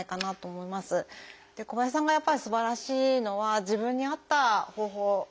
小林さんがやっぱりすばらしいのは自分に合った方法